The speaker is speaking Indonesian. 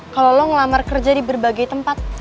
kalau lo ngelamar kerja di berbagai tempat